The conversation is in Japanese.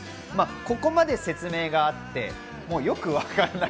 ここまで説明があって、よくわからない。